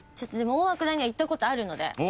大涌谷は行ったことあるので。